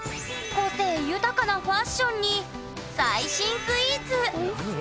個性豊かなファッションに最新スイーツ。